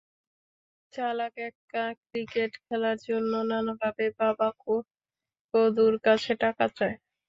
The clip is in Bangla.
চালাক এক্কা ক্রিকেট খেলার জন্য নানাভাবে বাবা কদুর কাছে টাকা চায়।